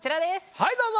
はいどうぞ。